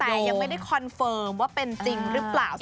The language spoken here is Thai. แต่ยังไม่ได้คอนเฟิร์มว่าเป็นจริงหรือเปล่า